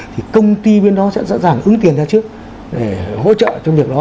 thì công ty bên đó sẽ sẵn sàng ứng tiền ra trước để hỗ trợ trong việc đó